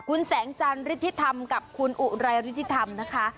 คุณแสงจันริธิธรรมกับคุณอุไรฤทธิธรรมนะคะ